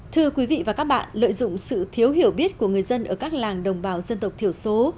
thưa quý vị và các bạn lợi dụng sự thiếu hiểu biết của người dân ở các làng đồng bào dân tộc thiểu số